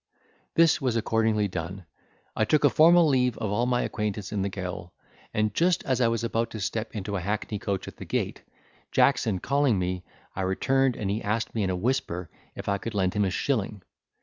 This was accordingly done. I took a formal leave of all my acquaintance in the gaol; and, just as I was about to step into a hackney coach at the gate, Jackson calling me, I returned, and he asked me in a whisper, if I could lend him a shilling!